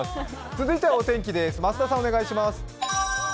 続いてはお天気です、増田さん。